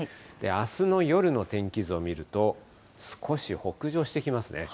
あすの夜の天気図を見ると、少し北上してきますね。